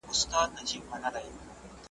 د عقل کار په تلوار نه کيږي.